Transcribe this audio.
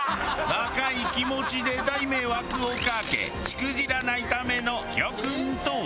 若い気持ちで大迷惑をかけしくじらないための教訓とは？